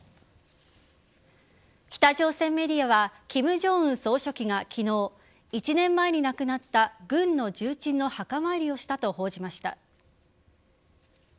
北朝鮮メディアは金正恩総書記が昨日１年前に亡くなった軍の重鎮の墓参りをしたと報じました。